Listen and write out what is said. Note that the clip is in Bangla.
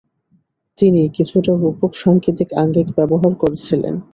তিনি কিছুটা রূপক-সাংকেতিক আঙ্গিক ব্যবহার করেছিলেন।